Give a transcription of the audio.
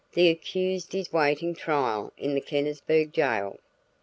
The accused is awaiting trial in the Kennisburg jail.